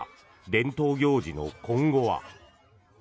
伝統行事の今後は。